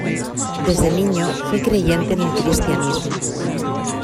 Desde niño fue creyente en el cristianismo.